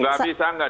tidak bisa tidak